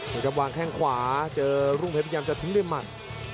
นี่ครับวางแข้งขวาเจอรุ่งเพชรพยายามจะทิ้งด้วยหมัด